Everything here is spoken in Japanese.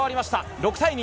６対２。